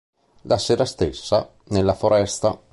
La sera stessa, nella foresta.